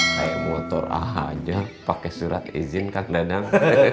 kayak motor aha aja pakai surat izin kan dadang